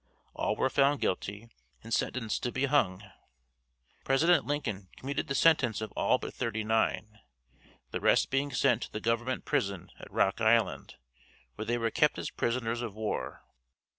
All were found guilty and sentenced to be hung. President Lincoln commuted the sentence of all but thirty nine, the rest being sent to the government prison at Rock Island where they were kept as prisoners of war.